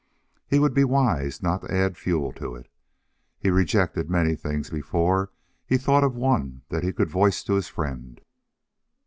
He would be wise not to add fuel to it. He rejected many things before he thought of one that he could voice to his friend.